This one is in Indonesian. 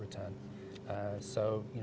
kembali kembali kita